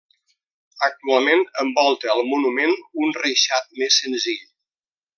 Actualment envolta al monument un reixat més senzill.